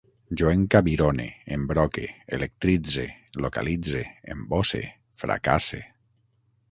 Jo encabirone, embroque, electritze, localitze, embosse, fracasse